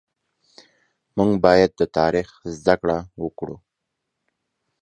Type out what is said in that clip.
مونږ بايد د تاريخ زده کړه وکړو